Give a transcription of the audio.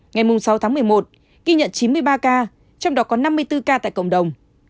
ngày sáu tháng một mươi một ghi nhận chín mươi ba ca trong đó có năm mươi bốn ca tại cộng đồng